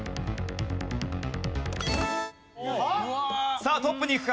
さあトップにいくか？